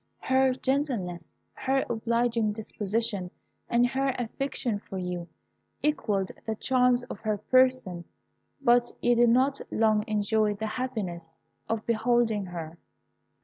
Her gentleness, her obliging disposition, and her affection for you, equalled the charms of her person. But you did not long enjoy the happiness of beholding her.